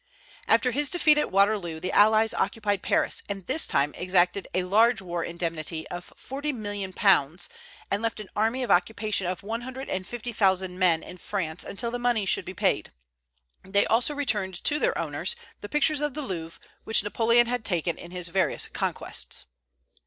After his defeat at Waterloo the allies occupied Paris, and this time exacted a large war indemnity of £40,000,000, and left an army of occupation of one hundred and fifty thousand men in France until the money should be paid. They also returned to their owners the pictures of the Louvre which Napoleon had taken in his various conquests.